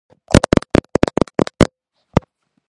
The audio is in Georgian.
დამოუკიდებლობის პერიოდში ეწეოდა აქტიურ შემოქმედებით საქმიანობას.